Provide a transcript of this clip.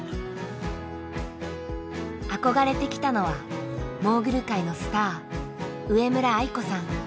憧れてきたのはモーグル界のスター上村愛子さん。